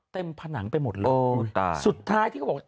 ผนังไปหมดเลยสุดท้ายที่เขาบอก